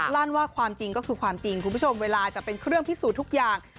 ลั่นว่าความจริงก็คือความจริงคุณผู้ชมเวลาจะเป็นเครื่องพิสูจน์ทุกอย่าง